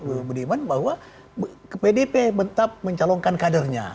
ibu budiman bahwa pdip tetap mencalongkan kadernya